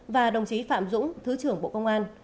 và đồng chí phạm dũng thứ trưởng bộ công an